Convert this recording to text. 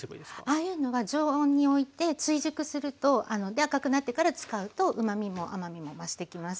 ああいうのは常温において追熟するとで赤くなってから使うとうまみも甘みも増していきます。